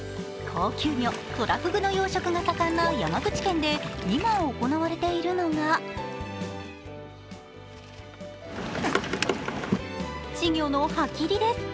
高級魚トラフグの養殖が盛んな山口県で今行われているのが稚魚の歯切です。